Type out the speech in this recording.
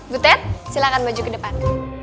butet silahkan maju ke depan